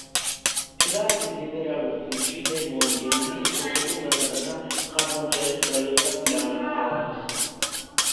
შედარებით ლიბერალურ ფილმში „დე მოინ“ ჯენინი რესპუბლიკელ კანდიდატთა მხარდამჭერების პაროდიას გვთავაზობს.